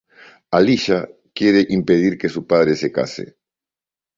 Alyssa quiere impedir que su padre se case.